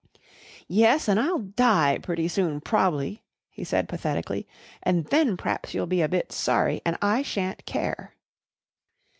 "Yes, an' I'll die pretty soon, prob'ly," he said pathetically, "and then p'r'aps you'll be a bit sorry, an' I shan't care."